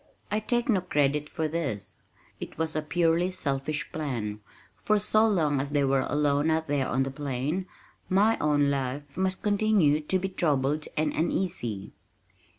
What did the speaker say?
I take no credit for this, it was a purely selfish plan, for so long as they were alone out there on the plain my own life must continue to be troubled and uneasy.